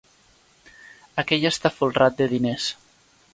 Aquell està folrat de diners.